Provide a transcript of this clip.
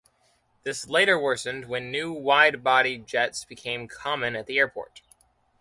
This later worsened when new wide-body jets became common at the airport.